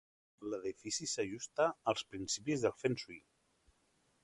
L'edifici s'ajusta als principis del fengshui.